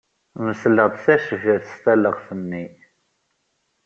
Mesleɣ-d tacbirt s talaɣt-nni.